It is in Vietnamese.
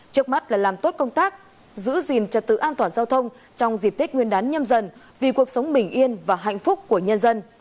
trước mắt là làm tốt công tác giữ gìn trật tự an toàn giao thông trong dịp tết nguyên đán nhâm dần vì cuộc sống bình yên và hạnh phúc của nhân dân